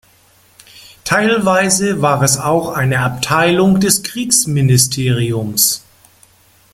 Teilweise war es auch eine Abteilung des Kriegsministeriums.